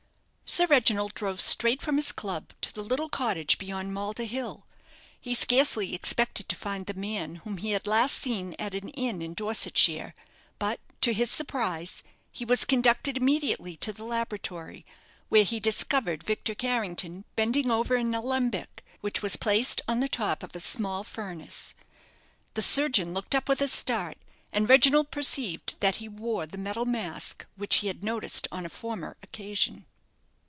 Sir Reginald drove straight from his club to the little cottage beyond Malda Hill. He scarcely expected to find the man whom he had last seen at an inn in Dorsetshire; but, to his surprise, he was conducted immediately to the laboratory, where he discovered Victor Carrington bending over an alembic, which was placed on the top of a small furnace. The surgeon looked up with a start, and Reginald perceived that he wore the metal mask which he had noticed on a former occasion.